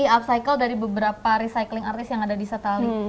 upcycle dari beberapa recycling artis yang ada di setali